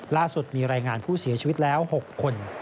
ล่าสุดมีรายงานผู้เสียชีวิตแล้ว๖คน